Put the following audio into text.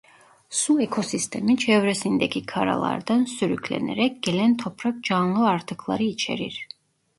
Su ekosistemi çevresindeki karalardan sürüklenerek gelen toprak canlı artıkları içerir.